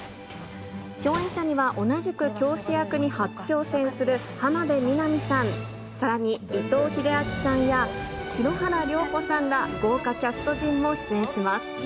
共演者には同じく教師役に初挑戦する浜辺美波さん、さらに伊藤英明さんや篠原涼子さんら、豪華キャスト陣も出演します。